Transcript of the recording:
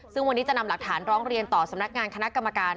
ซึ่งวันนี้จะนำหลักฐานร้องเรียนต่อสำนักงานคณะกรรมการ